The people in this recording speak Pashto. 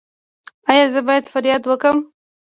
ایا زه باید فریاد وکړم؟